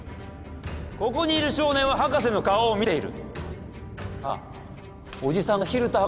ここにいる少年は博士の顔を見ている。